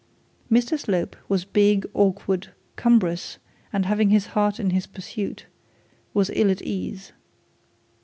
Mr Slope was big, awkward, cumbrous, and having his heart in his pursuit was ill at ease.